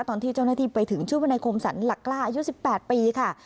ตอนที่เจ้าหน้าที่ไปถึงชื่อวนายคมสรรหลักกล้าอายุ๑๘ปีค่ะ